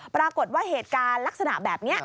ปรากฏว่าเหตุการณ์ลักษณะแบบนี้